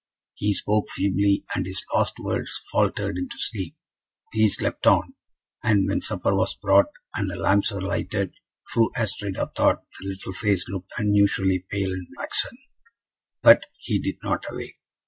He spoke feebly, and his last words faltered into sleep. He slept on; and when supper was brought, and the lamps were lighted, Fru Astrida thought the little face looked unusually pale and waxen; but he did not awake.